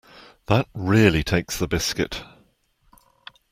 That really takes the biscuit